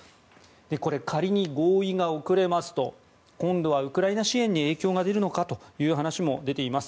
これ、仮に合意が遅れますと今度はウクライナ支援に影響が出るのかという話も出ています。